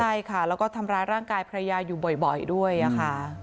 ใช่ค่ะแล้วก็ทำร้ายร่างกายภรรยาอยู่บ่อยด้วยค่ะ